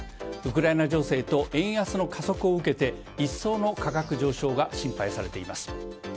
ウクライナ情勢と円安の加速を受けて一層の価格上昇が心配されています。